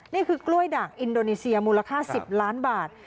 นี่คือกล้วยด่างอินโดนีเซียมูลค่า๑๐ล้านบาท